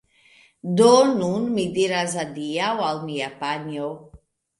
Do nun mi diras adiaŭ al mia panjo